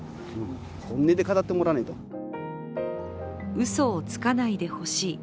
うそをつかないでほしい。